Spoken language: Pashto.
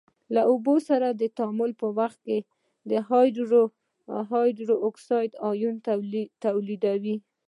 له اوبو سره د تعامل په وخت کې هایدروکساید آیون تولیدوي.